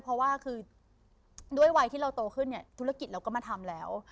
เพราะว่าคือด้วยวัยที่เราโตขึ้นเนี่ยธุรกิจเราก็มาทำแล้ว